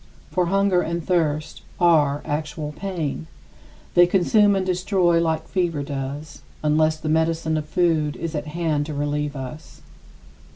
For hunger and thirst are actual pain. They consume and destroy like fever does, unless the medicine of food is at hand to relieve us.